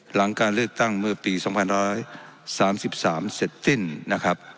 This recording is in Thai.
หลังการเลือกตั้งเมื่อปี๒๑๓๓เสร็จสิ้นนะครับ